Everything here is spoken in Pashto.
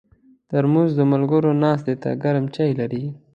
ترموز د ملګرو ناستې ته ګرم چای لري.